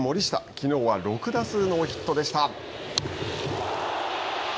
きのうは６打数ノーヒットでした。